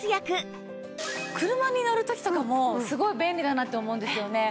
車に乗る時とかもすごい便利だなって思うんですよね。